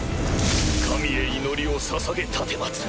神へ祈りをささげ奉る。